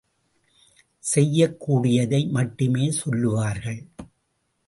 செய்யக் கூடியதை மட்டுமே சொல்லுவார்கள்.